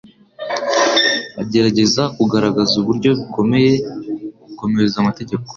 agerageza kugaragaza uburyo bikomeye gukomeza amategeko.